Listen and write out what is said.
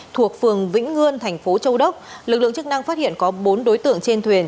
thuộc phường vĩnh ngươn thành phố châu đốc lực lượng chức năng phát hiện có bốn đối tượng trên thuyền